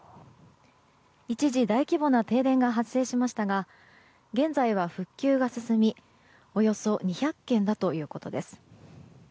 一時、大規模な停電が発生しましたが現在は復旧が進み、およそ２００軒だということです。